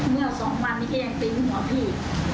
เมื่อสองวันนี้ก็ยังติ๊งหัวพี่